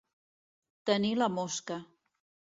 Tenir la mosca.